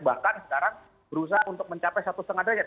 bahkan sekarang berusaha untuk mencapai satu lima derajat